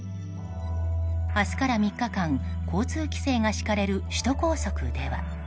明日から３日間交通規制が敷かれる首都高速では。